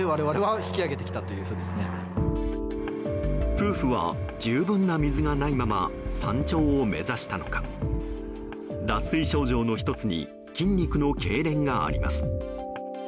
夫婦は十分な水がないまま山頂を目指したのか脱水症状の１つに筋肉のけいれんがあります。